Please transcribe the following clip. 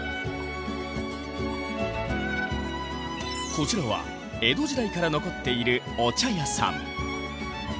こちらは江戸時代から残っているお茶屋さん。